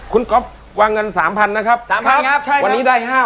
คุณกรอฟวางเงิน๓๐๐๐นะครับครับวันนี้ได้๕หม้อเลยครับผม